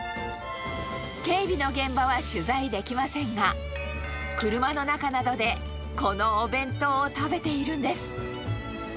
警備の現場は取材できませんが、車の中などで、このお弁当を食べているんです。